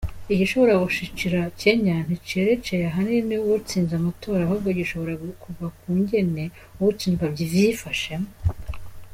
Igishobora gushikira Kenya nticerekeye ahanini uwutsinda amatora ahubwo gishobora kuva ku kungene uwutsinzwe avyifashemwo.